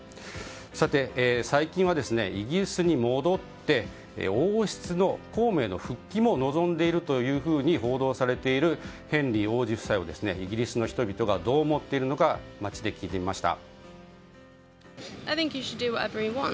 さて、最近はイギリスに戻って王室の公務への復帰も望んでいるというふうに報道されているヘンリー王子夫妻をイギリスの人々がどう思っているのか街で聞いてみました。